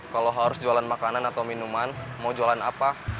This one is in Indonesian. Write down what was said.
kalau harus jualan makanan atau minuman mau jualan apa